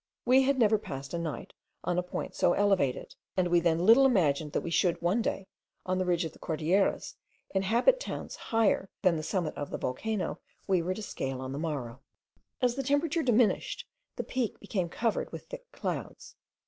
We had never passed a night on a point so elevated, and we then little imagined that we should, one day, on the ridge of the Cordilleras, inhabit towns higher than the summit of the volcano we were to scale on the morrow. As the temperature diminished, the peak became covered with thick clouds.